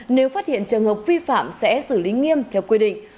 nếu phát hiện trường hợp vi phạm sẽ xử lý nghiêm theo quy định